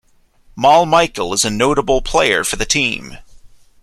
Mal Michael is a notable player for the team.